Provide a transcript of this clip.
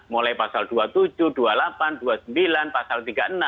mulai pasal dua puluh tujuh dua puluh delapan dua puluh sembilan pasal tiga puluh enam